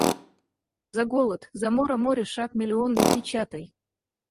За голод, за мора море шаг миллионный печатай!